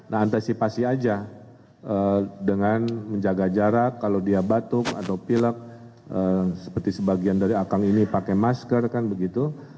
nah antisipasi aja dengan menjaga jarak kalau dia batuk atau pilek seperti sebagian dari akang ini pakai masker kan begitu